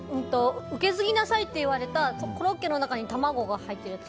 受け継ぎなさいって言われたコロッケの中に卵が入ってるやつ。